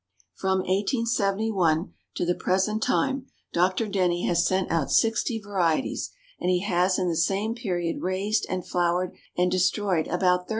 From 1871 to the present time Dr. DENNY has sent out sixty varieties, and he has in the same period raised and flowered, and destroyed about 30,000.